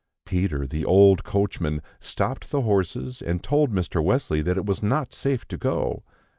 Peter, the old coachman, stopped the horses, and told Mr. Wesley that it was not safe to go.